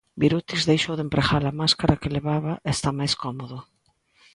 Birutis deixou de empregar a máscara que levaba e está máis cómodo.